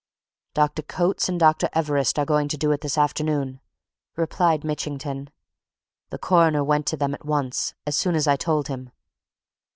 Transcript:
"Dr. Coates and Dr. Everest are going to do it this afternoon," replied Mitchington. "The Coroner went to them at once, as soon as I told him."